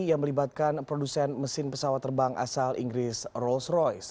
yang melibatkan produsen mesin pesawat terbang asal inggris rolls royce